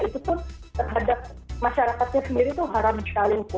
itu pun terhadap masyarakatnya sendiri tuh haram sekali